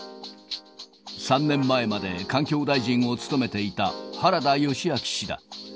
３年前まで環境大臣を務めていた、原田義昭氏だ。